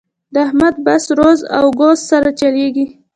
د احمد بس روز او ګوز سره چلېږي.